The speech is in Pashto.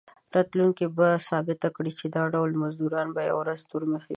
راتلونکي به ثابته کړي چې دا ډول مزدوران به یوه ورځ تورمخي وي.